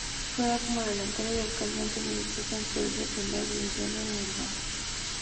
Juega como delantero y actualmente milita en Progreso de la Primera División de Uruguay.